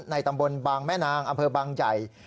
ตำบลบางแม่นางอำเภอบางใหญ่